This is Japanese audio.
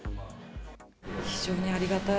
非常にありがたい。